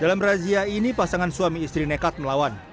dalam razia ini pasangan suami istri nekat melawan